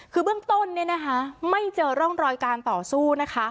คือเบื้องต้นไม่เจอร่องรอยการต่อสู้นะคะ